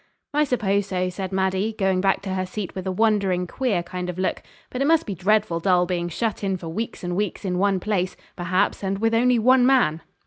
'I suppose so,' said Maddie, going back to her seat with a wondering, queer kind of look. 'But it must be dreadful dull being shut in for weeks and weeks in one place, perhaps, and with only one man.'